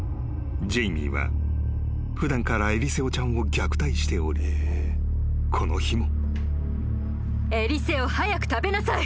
［ジェイミーは普段からエリセオちゃんを虐待しておりこの日も］